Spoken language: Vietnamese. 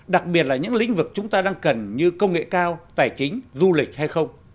đặc biệt là những lĩnh vực chúng ta đang cần như công nghệ cao tài chính du lịch hay không